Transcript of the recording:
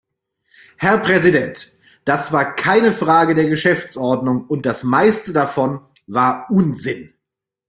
Herr Präsident! Das war keine Frage der Geschäftsordnung, und das meiste davon war Unsinn.